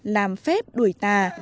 làm phép đuổi tà